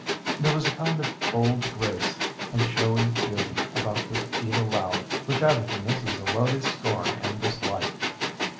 There was a kind of bold grace and showy beauty about this Eva Loud which added to Mrs. Zelotes's scorn and dislike.